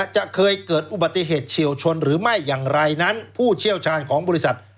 จะเคยเกิดอุบัติเหตุเฉียวชนหรือไม่อย่างไรนั้นผู้เชี่ยวชาญของบริษัท